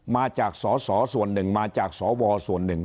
มาจากสสส่วนหนึ่งมาจากสวส่วนหนึ่ง